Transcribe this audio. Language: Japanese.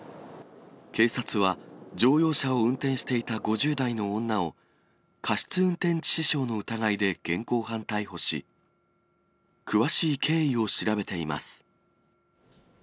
警察は、乗用車を運転していた５０代の女を、過失運転致死傷の疑いで現行犯逮捕し、詳しい経緯を調べています。